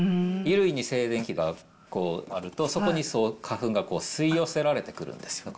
衣類に静電気があると、そこに花粉が吸い寄せられてくるんです。